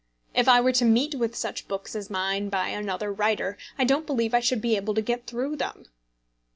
If I were to meet with such books as mine by another writer, I don't believe I should be able to get through them.